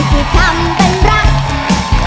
ที่ทำเป็นรัก